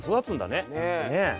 ねえ。